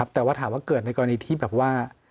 แต่ว่าถามว่าเกิดในกรณีที่แบบว่า